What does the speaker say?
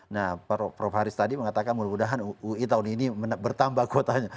nah prof haris tadi mengatakan mudah mudahan ui tahun ini bertambah kuotanya